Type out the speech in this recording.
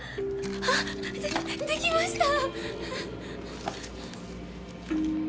あっでできました！